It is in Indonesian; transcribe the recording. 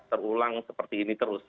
terulang seperti ini terus